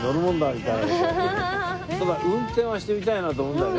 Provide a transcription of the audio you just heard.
ただ運転はしてみたいなと思うんだよね